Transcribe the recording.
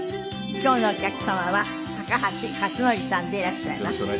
今日のお客様は高橋克典さんでいらっしゃいます。